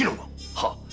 はっ。